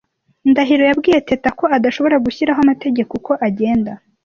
Ndahiro yabwiye Teta ko adashobora gushyiraho amategeko uko agenda.